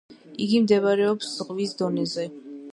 იგი მდებარეობს ზღვის დონეზე.